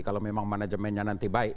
kalau memang manajemennya nanti baik